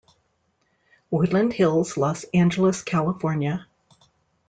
Woodland Hills, Los Angeles, California.